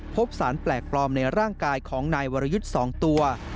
พบสารแปลกปลอมในร่างกายของนายวรยุทธ์๒ตัว